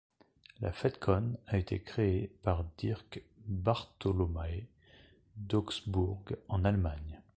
La FedCon a été créée par Dirk Bartholomae d'Augsbourg en Allemagne.